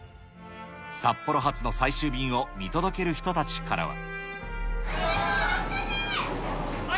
札幌発の最終便を見届ける人たちからは。